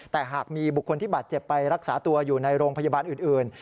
แต่หากมีบุคคลที่บาดเจ็บไปรักษาตัวอยู่ในโรงพยาบาลอื่น